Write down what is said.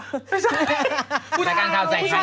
ตรายการเข้าใจครั้งล่ะ